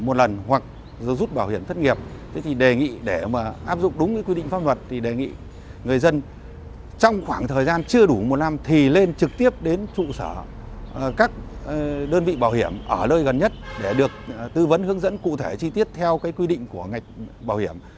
một lần hoặc rút bảo hiểm thất nghiệp thế thì đề nghị để mà áp dụng đúng cái quy định pháp luật thì đề nghị người dân trong khoảng thời gian chưa đủ một năm thì lên trực tiếp đến trụ sở các đơn vị bảo hiểm ở nơi gần nhất để được tư vấn hướng dẫn cụ thể chi tiết theo cái quy định của ngành bảo hiểm